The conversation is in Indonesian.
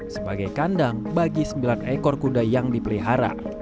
sebagai kandang bagi sembilan ekor kuda yang dipelihara